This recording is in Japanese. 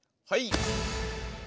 はい！